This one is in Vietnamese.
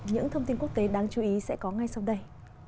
những thông tin quốc tế đáng chú ý sẽ có ngay sau đây